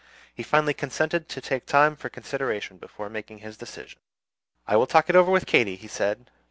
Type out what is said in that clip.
He finally consented to take time for consideration before making his decision. "I will talk it over with Katy," he said.